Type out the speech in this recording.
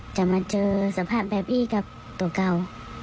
จะมาเจอสภาพแบบนี้กับตัวเก่า